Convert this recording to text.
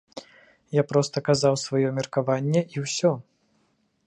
Я проста казаў сваё меркаванне і ўсё.